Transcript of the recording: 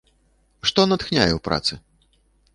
Што натхняе ў працы?